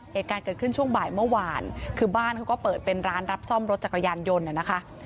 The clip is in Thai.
เหตุการณ์เกิดขึ้นช่วงบ่ายเมื่อวานคือบ้านเขาก็เปิดเป็นร้านรับซ่อมรถจักรยานยนต์นะคะ